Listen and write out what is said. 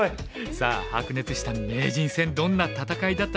さあ白熱した名人戦どんな戦いだったのでしょうか。